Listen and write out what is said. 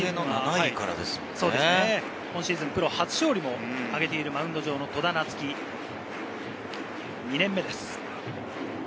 今シーズン、プロ初勝も挙げているマウンド上の戸田懐生、２年目です。